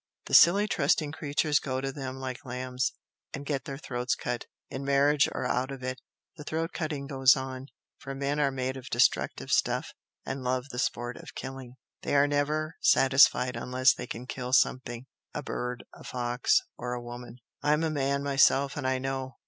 The silly trusting creatures go to them like lambs, and get their throats cut! In marriage or out of it the throat cutting goes on, for men are made of destructive stuff and love the sport of killing. They are never satisfied unless they can kill something a bird, a fox or a woman. I'm a man myself and I know!"